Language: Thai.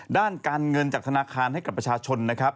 ด้านการเงินจากธนาคารให้กับประชาชนนะครับ